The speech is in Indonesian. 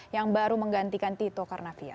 yang baru menggantikan tito karnavian